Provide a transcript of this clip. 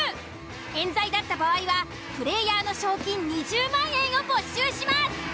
冤罪だった場合はプレイヤーの賞金２０万円を没収します。